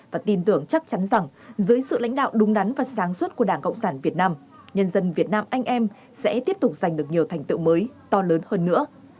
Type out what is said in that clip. và tin tưởng chắc chắn rằng dưới sự lãnh đạo đúng đắn và sáng suốt của đảng cộng sản việt nam nhân dân việt nam anh em sẽ tiếp tục giành được nhiều thành tựu mới to lớn hơn nữa